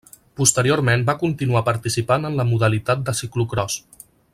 Posteriorment va continuar participant en la modalitat de ciclocròs.